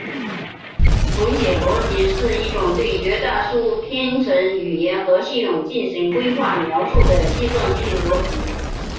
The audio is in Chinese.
重写逻辑是一种对绝大多数编程语言和系统进行规范描述的计算机逻辑。